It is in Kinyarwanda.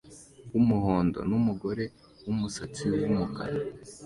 wumuhondo numugore wumusatsi wumukara